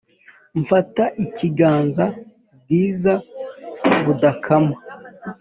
Mfata ikiganza bwiza budakama